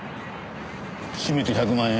しめて１００万円。